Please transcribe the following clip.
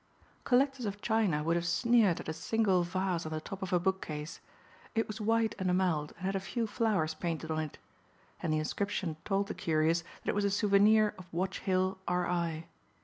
Collectors of china would have sneered at a single vase on the top of a bookcase. It was white enameled and had a few flowers painted on it. And the inscription told the curious that it was a souvenir of Watch Hill, R. I.